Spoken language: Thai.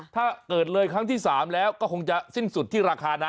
ถ้าเกิดเลยครั้งที่๓แล้วก็คงจะสิ้นสุดที่ราคานะ